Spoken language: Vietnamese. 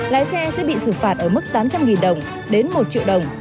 lái xe sẽ bị xử phạt ở mức tám trăm linh đồng đến một triệu đồng